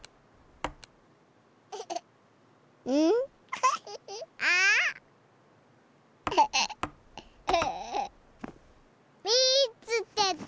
うん？あっ！みつけた！